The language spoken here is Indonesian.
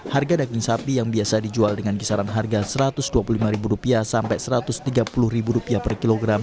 harga daging sapi yang biasa dijual dengan kisaran harga rp satu ratus dua puluh lima sampai rp satu ratus tiga puluh per kilogram